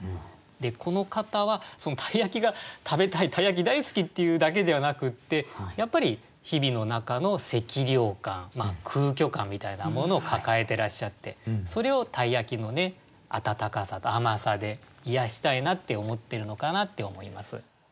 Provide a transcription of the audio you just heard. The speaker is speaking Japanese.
でこの方は鯛焼が食べたい鯛焼大好きっていうだけではなくってやっぱり日々の中の寂寥感空虚感みたいなものを抱えてらっしゃってそれを鯛焼の温かさと甘さで癒やしたいなって思ってるのかなって思います。